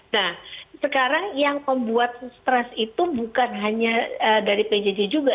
nah sekarang yang membuat stres itu bukan hanya dari pjj juga